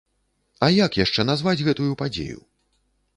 А як яшчэ назваць гэтую падзею?